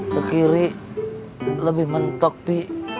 ke kiri lebih mentok di